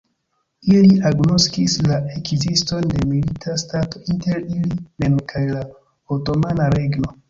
Ili agnoskis la ekziston de milita stato inter ili mem kaj la Otomana Regno.